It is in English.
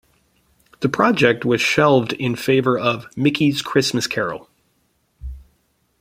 The project was shelved in favor of "Mickey's Christmas Carol".